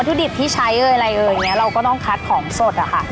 วัตถุดิบที่ใช้อะไรอย่างนี้เราก็ต้องคัดของสดค่ะ